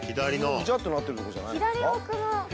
グチャッとなってるとこじゃないんですか。